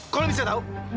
kok lo bisa tau